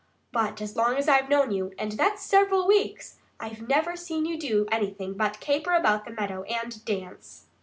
But as long as I've known you and that's several weeks I've never seen you do anything but caper about the meadow and dance."